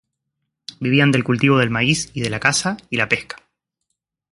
Vivían del cultivo del maíz y de la caza y la pesca.